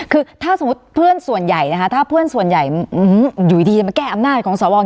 คือถ้าสมมุติเพื่อนส่วนใหญ่นะคะถ้าเพื่อนส่วนใหญ่อยู่ดีจะมาแก้อำนาจของสว